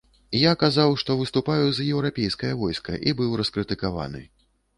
Я казаў, што выступаю за еўрапейскае войска, і быў раскрытыкаваны.